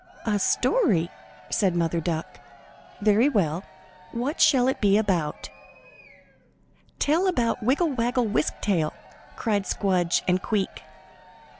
"A story?" said Mother Duck. "Very well. What shall it be about?" "Tell about Wiggle Waggle Wisk Tail!" cried Squdge and Queek.